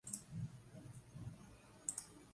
Como curiosidad, existen multitud de guiños y cameos.